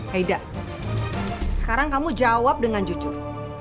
heida sekarang kamu jawab dengan jujur